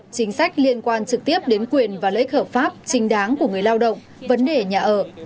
chính sách liên quan trực tiếp đến quyền và lợi ích hợp pháp trình đáng của người lao động vấn đề nhà ở